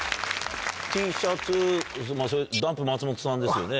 Ｔシャツそれダンプ松本さんですよね。